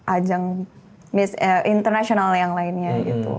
ajang internasional yang lainnya gitu